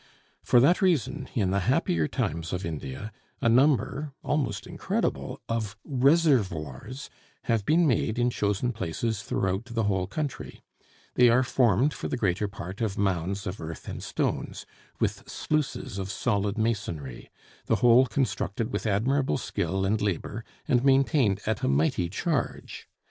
For that reason, in the happier times of India, a number, almost incredible, of reservoirs have been made in chosen places throughout the whole country; they are formed for the greater part of mounds of earth and stones, with sluices of solid masonry; the whole constructed with admirable skill and labor, and maintained at a mighty charge.